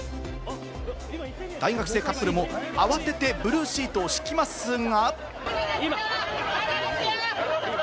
大学生カップルも慌ててブルーシートを敷きますが。